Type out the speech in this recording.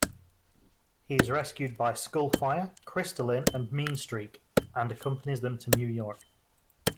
He is rescued by Skullfire, Krystalin and Meanstreak and accompanies them to New York.